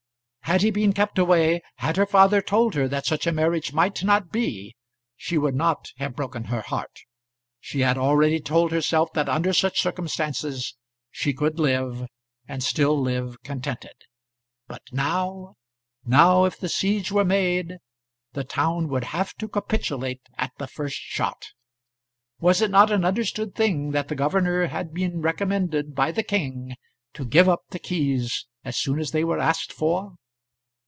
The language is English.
Had he been kept away, had her father told her that such a marriage might not be, she would not have broken her heart. She had already told herself, that under such circumstances, she could live and still live contented. But now, now if the siege were made, the town would have to capitulate at the first shot. Was it not an understood thing that the governor had been recommended by the king to give up the keys as soon as they were asked for?